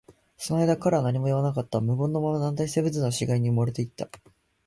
その間、彼は何も言わなかった。無言のまま、軟体生物の死骸に埋もれていった。